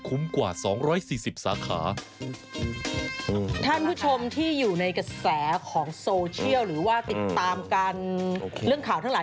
หรือว่าติดตามกันเรื่องข่าวทั้งหลาย